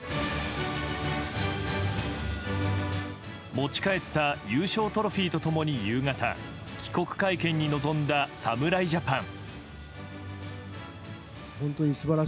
持ち帰った優勝トロフィーと共に夕方、帰国会見に臨んだ侍ジャパン。